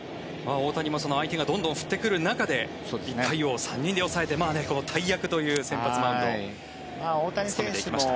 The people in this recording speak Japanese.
大谷も相手がどんどん振ってくる中で１回を３人で抑えて大役という先発マウンドを務めていきました。